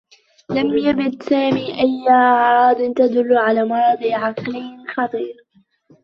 لم يبدِ سامي أيّ أعراض تدلّ على مرض عقليّ خطير.